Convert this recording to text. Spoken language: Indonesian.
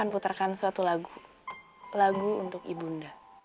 empul dan sudah hampir